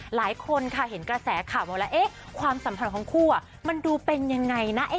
หลายคนค่ะเห็นกระแสข่าวมาแล้วความสัมพันธ์ของคู่มันดูเป็นยังไงนะ